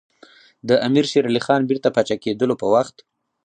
د امیر شېر علي خان بیرته پاچا کېدلو په وخت.